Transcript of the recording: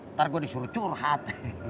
ntar gue disuruh curhat